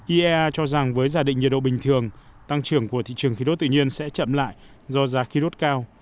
iea cho rằng với giả định nhiệt độ bình thường tăng trưởng của thị trường khí đốt tự nhiên sẽ chậm lại do giá khí đốt cao